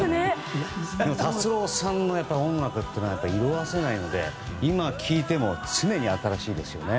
達郎さんの音楽っていうのは色あせないので今聴いても常に新しいですね。